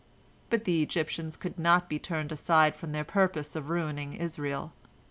But the Egyptians could not be turned aside from their purpose of ruining Israel.